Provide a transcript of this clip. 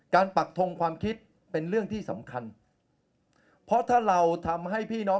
ปักทงความคิดเป็นเรื่องที่สำคัญเพราะถ้าเราทำให้พี่น้อง